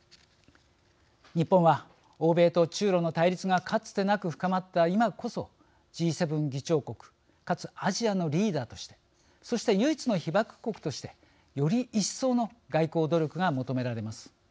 日本は欧米と中ロの対立がかつてなく深まった今こそＧ７議長国かつアジアのリーダーとしてそして、唯一の被爆国としてより一層の外交努力が求められます。